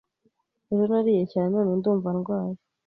Ejo nariye cyane none ndumva ndwaye.